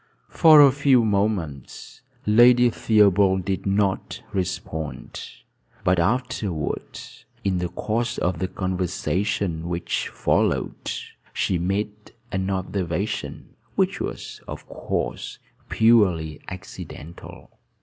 For a few moments Lady Theobald did not respond; but afterward, in the course of the conversation which followed, she made an observation which was, of course, purely incidental.